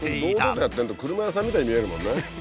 堂々とやってると車屋さんみたいに見えるもんね。